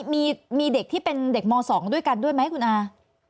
มีเด็กที่เป็นเด็กม๒ด้วยกันด้วยไหมคุณอา